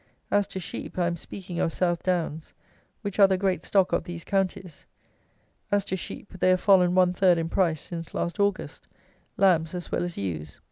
As to sheep; I am speaking of Southdowns, which are the great stock of these counties; as to sheep they have fallen one third in price since last August, lambs as well as ewes.